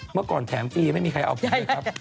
เมื่อก่อนแถมฟรีไม่มีใครเอาไปครับ